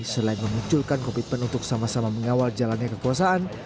selain memunculkan komitmen untuk sama sama mengawal jalannya kekuasaan